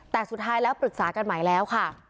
แต่สุดท้ายแล้วปรึกษากันใหม่แล้วค่ะ